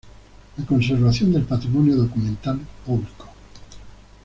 La "conservación del patrimonio documental público".